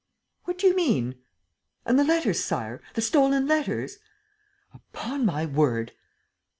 "What do you mean?" "And the letters, Sire? The stolen letters?" "Upon my word!